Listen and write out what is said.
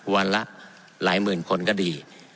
วันละหลายหมื่นคนก็ดี